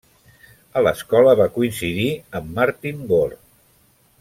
A l'escola va coincidir amb Martin Gore.